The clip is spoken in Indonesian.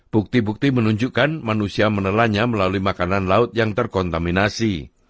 bukti bukti menunjukkan manusia menelannya melalui makanan laut yang terkontaminasi